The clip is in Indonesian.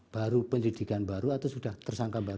baru penyelidikan baru atau sudah tersangka baru